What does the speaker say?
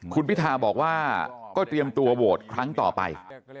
คุณพิธาบอกว่าก็เตรียมตัวโหวตครั้งต่อไป